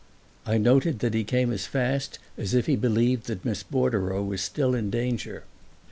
I noted that he came as fast as if he believed that Miss Bordereau was still in danger.